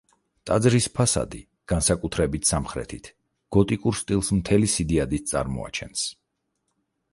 ტაძრის ფასადი, განსაკუთრებით სამხრეთით, გოტიკურ სტილს მთელი სიდიადით წარმოაჩენს.